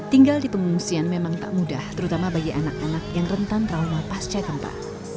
tinggal di pengungsian memang tak mudah terutama bagi anak anak yang rentan trauma pasca gempa